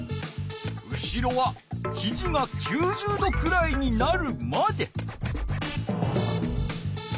後ろはひじが９０度くらいになるまで。